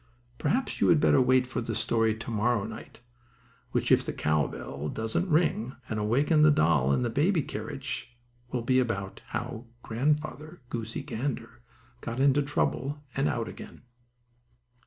Perhaps you had better wait for the story to morrow night, which if the cow bell doesn't ring and awaken the doll in the baby carriage will be about how Grandfather Goosey Gander got into trouble and out again.